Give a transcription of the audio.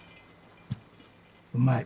うまい。